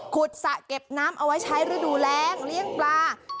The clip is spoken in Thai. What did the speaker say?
สระเก็บน้ำเอาไว้ใช้ฤดูแรงเลี้ยงปลา